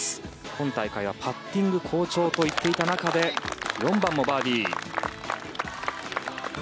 今大会はパッティング好調と言っていた中で４番もバーディー。